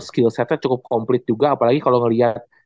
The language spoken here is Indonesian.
skill setnya cukup komplit juga apalagi kalau melihat